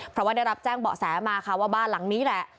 เพราะว่าได้รับแจ้งเบาะแสมาค่ะว่าบ้านหลังนี้แหละ